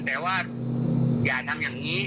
แต่ว่าอย่าทำอย่างนี้